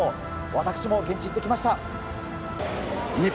私も現地に行ってきました。